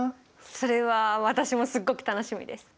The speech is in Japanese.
それは私もすっごく楽しみです。